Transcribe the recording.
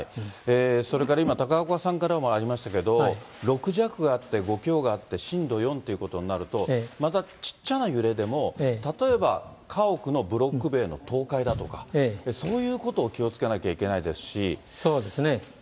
それから今、高岡さんからもありましたけれども、６弱があって、５強があって、震度４ということになると、またちっちゃな揺れでも、例えば家屋のブロック塀の倒壊だとか、そういうことを気をつけなそうですね。